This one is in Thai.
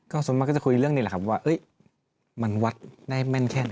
ก็สมมุติจะคุยเรื่องนี้แหละครับว่ามันวัดได้แหม่นแขน